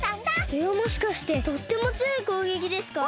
それはもしかしてとってもつよいこうげきですか？